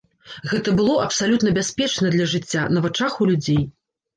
Гэта было абсалютна бяспечна для жыцця, на вачах у людзей.